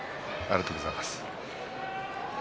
ありがとうございます。